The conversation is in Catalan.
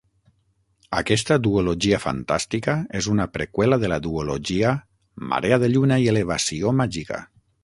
Aquesta duologia fantàstica és una preqüela de la duologia "Marea de lluna i elevació màgica".